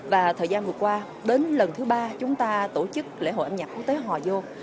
và thời gian vừa qua đến lần thứ ba chúng ta tổ chức lễ hội âm nhạc quốc tế hòa dô